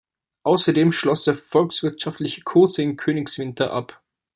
Außerdem schloss er volkswirtschaftliche Kurse in Königswinter ab.